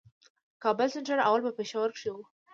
کابل سېنټر اول په پېښور کښي وو.